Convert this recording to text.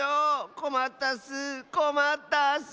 こまったッスこまったッス！